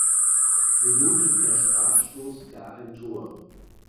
Minute per Strafstoß gar ein Tor.